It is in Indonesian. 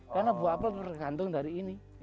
karena buah apel bergantung dari ini